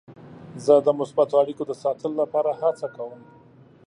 زه د مثبتو اړیکو د ساتلو لپاره هڅه کوم.